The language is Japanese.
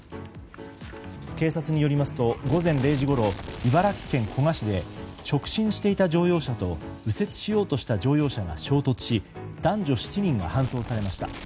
警察によりますと午前０時ごろ茨城県古河市で直進していた乗用車と右折しようとした乗用車が衝突し男女７人が搬送されました。